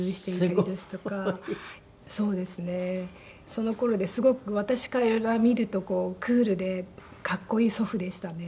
その頃ですごく私から見るとクールでかっこいい祖父でしたね。